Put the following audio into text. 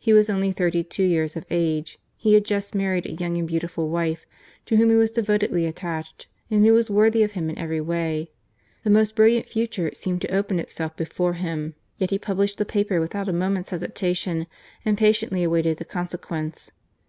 He was only thirty two years of age, he had just married a young and beautiful wife, to whom he was devotedly attached, and who was worthy of him in every way : the most brilliant future seenied to open itself before him. Yet he published the paper without a moment's hesitation and patiently awaited the consequence.